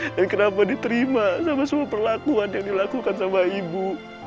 dan kenapa diterima sama semua perlakuan yang dilakukan sama ibu